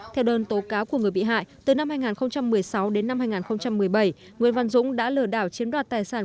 theo đơn tố cáo của người bị hại từ năm hai nghìn một mươi sáu đến năm hai nghìn một mươi bảy nguyễn văn dũng đã lừa đảo chiếm đoạt tài sản